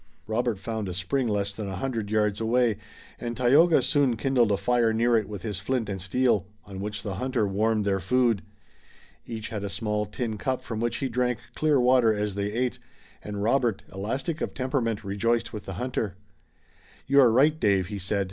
Robert found a spring less than a hundred yards away, and Tayoga soon kindled a fire near it with his flint and steel, on which the hunter warmed their food. Each had a small tin cup from which he drank clear water as they ate, and Robert, elastic of temperament, rejoiced with the hunter. "You are right, Dave," he said.